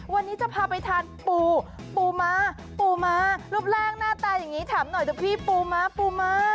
วันนี้จะพาไปทานปูปูม้าปูม้ารูปร่างหน้าตาอย่างนี้ถามหน่อยเถอะพี่ปูม้าปูม้า